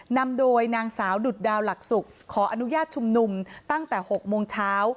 นำโดยนางสาวดุดดาวหลักศุกร์ขออนุญาตชุมนุมตั้งแต่๖โมงเช้า